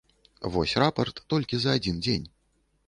Вось рапарт толькі за адзін дзень.